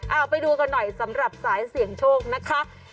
เอาไปดูกันหน่อยสำหรับสายเสี่ยงโชคนะคะ